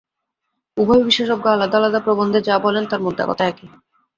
উভয় বিশেষজ্ঞ আলাদা আলাদা প্রবন্ধে যা বলেন, তার মোদ্দা কথা একই।